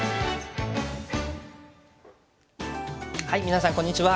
皆さんこんにちは。